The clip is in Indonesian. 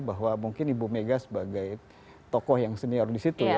bahwa mungkin ibu mega sebagai tokoh yang senior di situ